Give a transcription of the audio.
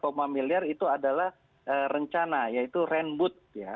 rp tujuh triliun itu adalah rencana yaitu rentboot